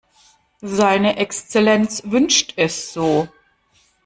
Seine Exzellenz wünscht es so.